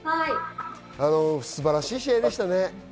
素晴らしい試合でしたね。